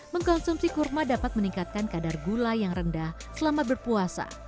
mengkonsumsi kurma dapat meningkatkan kadar gula yang rendah selama berpuasa